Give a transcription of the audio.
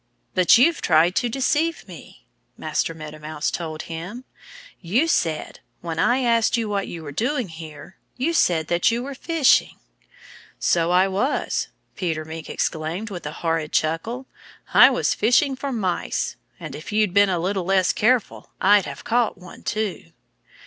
"But you tried to deceive me," Master Meadow Mouse told him. "You said when I asked you what you were doing here you said that you were fishing." "So I was!" Peter Mink exclaimed with a horrid chuckle. "I was fishing for mice. And if you'd been a little less careful I'd have caught one, too."